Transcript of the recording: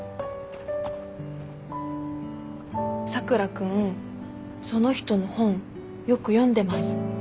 佐倉君その人の本よく読んでます。